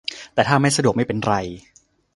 แต่ถ้าไม่สะดวกไม่เป็นไร